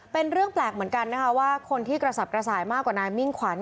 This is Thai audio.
เป็นเรื่องแปลกเหมือนกันนะคะว่าคนที่กระสับกระส่ายมากกว่านายมิ่งขวัญ